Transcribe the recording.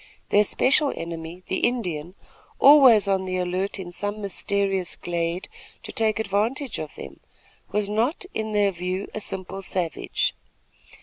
Their special enemy, the Indian, always on the alert in some mysterious glade to take advantage of them, was not, in their view, a simple savage.